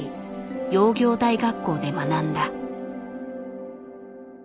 窯業大学校で学んだ。